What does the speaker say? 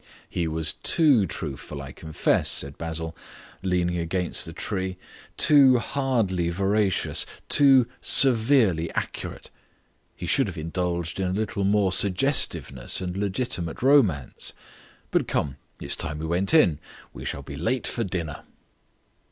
"He was too truthful, I confess," said Basil, leaning against the tree; "too hardly veracious, too severely accurate. He should have indulged in a little more suggestiveness and legitimate romance. But come, it's time we went in. We shall be late for dinner."